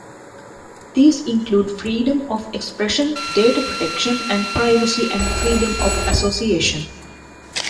These include freedom of expression, data protection and privacy and freedom of association.